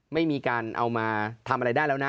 ไม่มีการเอามาทำอะไรได้แล้วนะ